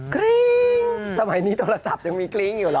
กริ้งสมัยนี้โทรศัพท์ยังมีกริ้งอยู่เหรอ